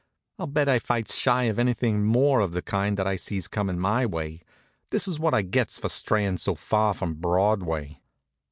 "I'll bet I fights shy of anything more of the kind that I sees comin' my way. This is what I gets for strayin' so far from Broadway."